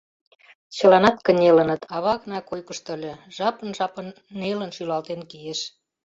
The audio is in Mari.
Чыланат кынелыныт, ава гына койкышто ыле, жапын-жапын нелын шӱлалтен кийыш.